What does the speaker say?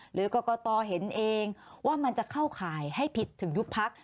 หรือกรกตเห็นเองว่ามันจะเข้าข่ายให้ผิดถึงยุบพัก